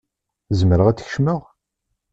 Zemreɣ ad kecmeɣ?